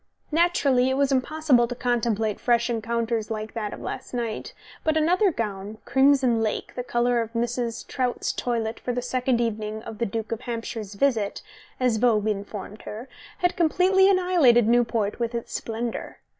Naturally it was impossible to contemplate fresh encounters like that of last night, but another gown, crimson lake, the colour of Mrs. Trout's toilet for the second evening of the Duke of Hampshire's visit, as Vogue informed her, had completely annihilated Newport with its splendour.